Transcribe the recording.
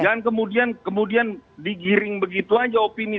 jangan kemudian digiring begitu aja opini